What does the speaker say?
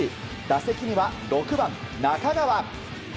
打席には６番、中川。